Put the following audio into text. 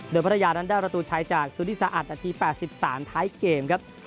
เดินพัทยานั้นได้รตุใช้จากสูตรศาสน์๑นาที๘๓นาทีใช่เกมครับ